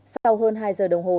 sau hơn hai h đồng hồ